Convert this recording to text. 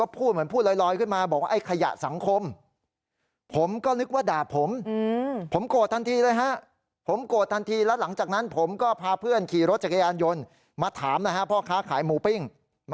ผมโกรธทันทีแล้วหลังจากนั้นผมก็พาเพื่อนขี่รถจักรยานยนต์มาถามนะฮะพ่อค้าขายหมูปิ้ง